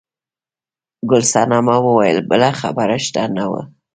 ګل صنمه وویل بله خبره شته نه وه.